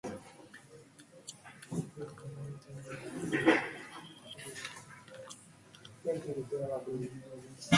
However, in later years he matured into a competent and popular competitor.